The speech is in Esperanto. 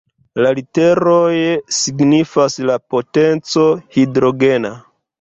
La literoj signifas la "potenco Hidrogena".